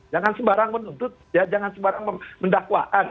jangan sembarang menuntut jangan sembarang mendakwaan